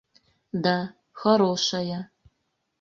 Да, хорошая...